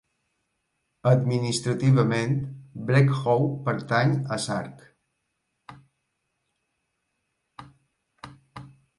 Administrativament Brecqhou pertany a Sark.